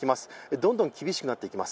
どんどん厳しくなっていきます。